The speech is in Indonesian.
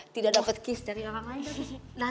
tidak dapat kis dari orang lain